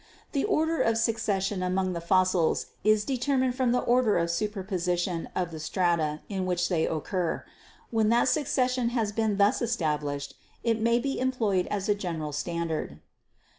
The order of succession among the fossils is determined from the order of superposition of the strata in which they occur. When that succession has been thus established it may be employed as a general standard.